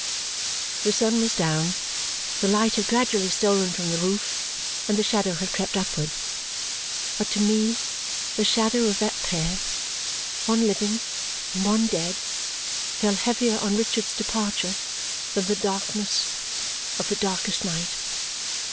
The sun was down, the light had gradually stolen from the roof, and the shadow had crept upward. But to me the shadow of that pair, one living and one dead, fell heavier on Richard's departure than the darkness of the darkest night.